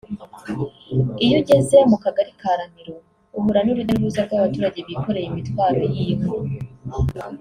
Iyo ugeze mu kagari ka Ramiro uhura n’urujya n’uruza rw’abaturage bikoreye imitwaro y’inkwi